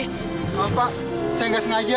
gak apa apa saya gak sengaja